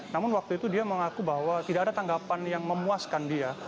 namun waktu itu dia mengaku bahwa tidak ada tanggapan yang memuaskan dia